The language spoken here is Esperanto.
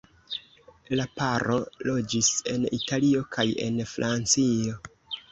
La paro loĝis en Italio kaj en Francio.